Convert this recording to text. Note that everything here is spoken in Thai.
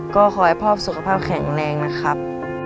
ก็ขอให้พ่อสุขภาพแข็งแรงนะครับ